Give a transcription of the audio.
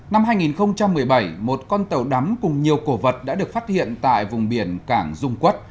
năm hai nghìn một mươi bảy một con tàu đắm cùng nhiều cổ vật đã được phát hiện tại vùng biển cảng dung quốc